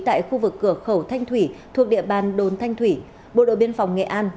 tại khu vực cửa khẩu thanh thủy thuộc địa bàn đồn thanh thủy bộ đội biên phòng nghệ an